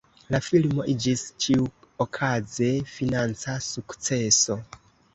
La filmo iĝis ĉiuokaze financa sukceso.